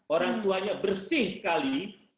orang tuanya bersih sekali